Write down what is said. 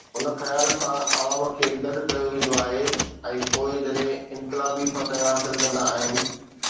ان خيال سان عوام کي گڏ ڪيو ويندو آهي ۽ پوءِ جڏهن انقلابي فتح حاصل ڪندا آهن.